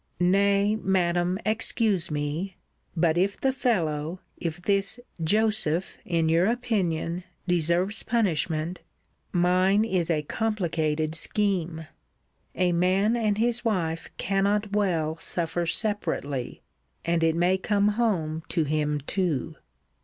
Nay, Madam, excuse me; but if the fellow, if this Joseph, in your opinion, deserves punishment, mine is a complicated scheme; a man and his wife cannot well suffer separately, and it may come home to him too.